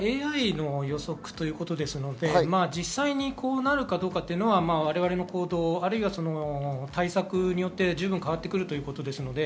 ＡＩの予測ということですので、実際どうなるかどうかは我々の行動、対策によって十分変わってくるということです。